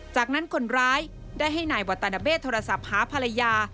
จากนั้นคนร้ายได้ให้นายวัตนเบศโทรศัพท์หาภรรยา